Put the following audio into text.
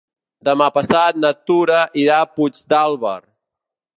Demà passat na Tura irà a Puigdàlber.